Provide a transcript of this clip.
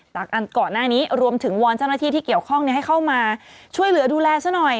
ก่อนหน้านี้รวมถึงวอนเจ้าหน้าที่ที่เกี่ยวข้องให้เข้ามาช่วยเหลือดูแลซะหน่อย